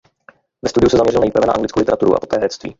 Ve studiu se zaměřil nejprve na anglickou literaturu a poté herectví.